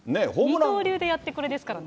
二刀流でやってこれですからね。